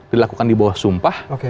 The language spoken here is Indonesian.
dilakukan di bawah sumpah